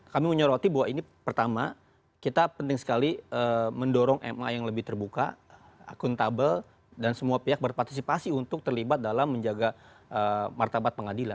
kami menyoroti bahwa ini pertama kita penting sekali mendorong ma yang lebih terbuka akuntabel dan semua pihak berpartisipasi untuk terlibat dalam menjaga martabat pengadilan